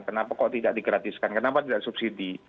kenapa kok tidak digratiskan kenapa tidak subsidi